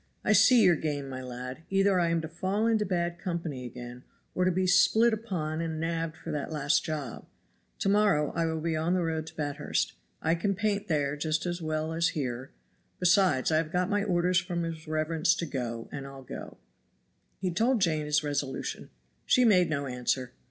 I see your game, my lad; either I am to fall into bad company again, or to be split upon and nabbed for that last job. To morrow I will be on the road to Bathurst. I can paint there just as well as here; besides I have got my orders from his reverence to go, and I'll go." He told Jane his resolution. She made no answer.